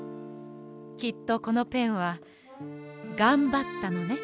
きっとこのペンはがんばったのね。